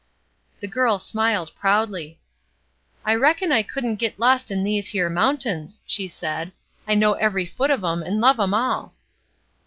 The girl smiled proudly. ''I reckon I couldn't git lost in these here mountains," she said. '^I know every foot of 'em and love 'em all."